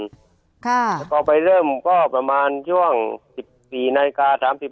แล้วก็ไปเริ่มก็ประมาณช่วง๑๔นาฬิกา๓๔